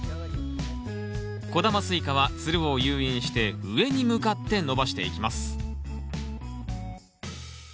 小玉スイカはつるを誘引して上に向かって伸ばしていきます